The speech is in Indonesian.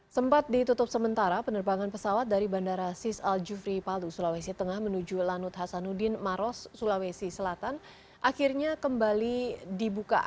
sempat ditutup sementara penerbangan pesawat dari bandara sis al jufri paldu sulawesi tengah menuju lanut hasanuddin maros sulawesi selatan akhirnya kembali dibuka